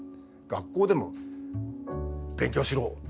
学校でも勉強しろ！